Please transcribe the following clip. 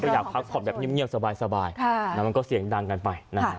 อยากพักผ่อนแบบเงียบสบายแล้วมันก็เสียงดังกันไปนะฮะ